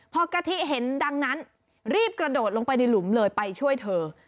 พอกะทิเห็นดังนั้นรีบกระโดดลงไปในหลุมเลยไปช่วยเธอ